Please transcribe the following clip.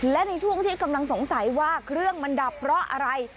และในช่วงที่กำลังสงสัยว่าเครื่องมันดับเพราะอะไร